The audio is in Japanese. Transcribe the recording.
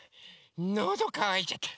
のどかわいちゃった。